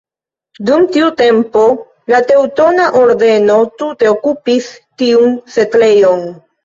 Dum tiu tempo la Teŭtona Ordeno tute okupis tiun setlejon.